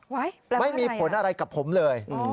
ไว้แปลว่าไงอะไม่มีผลอะไรกับผมเลย